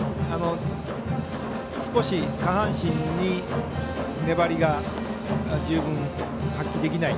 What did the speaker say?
少し下半身に粘りが十分発揮できない。